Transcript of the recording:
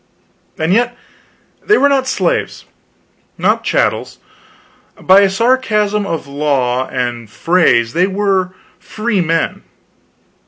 And yet they were not slaves, not chattels. By a sarcasm of law and phrase they were freemen.